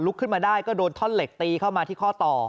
ขึ้นมาได้ก็โดนท่อนเหล็กตีเข้ามาที่ข้อต่อ